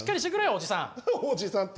おじさんて。